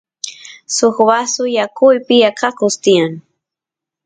suk vasu yakupi eqequs tiyan